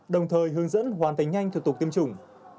đồng thời hướng dẫn hoàn thành nhanh thủ tục tiêm chủng